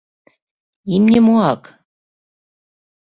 Имне моак?